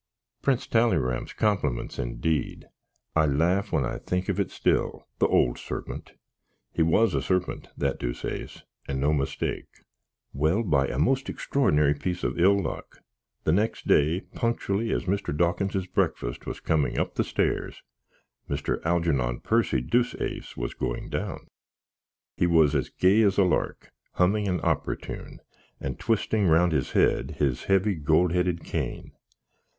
Prince Tallyram's complimints, indeed! I laff when I think of it still, the old surpint! He was a surpint, that Deuceace, and no mistake. Well, by a most extrornary piece of ill luck, the next day punctially as Mr. Dawkinses brexfas was coming up the stairs, Mr. Halgernon Percy Deuceace was going down. He was as gay as a lark, humming an Oppra tune, and twizzting round his head his hevy gold headed cane.